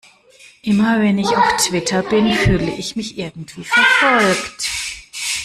Immer, wenn ich auf Twitter bin, fühle ich mich irgendwie verfolgt.